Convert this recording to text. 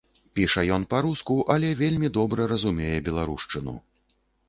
Піша ён па-руску, але вельмі добра разумее беларушчыну.